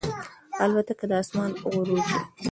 الوتکه د آسمان غرور ده.